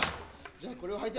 じゃあこれをはいて。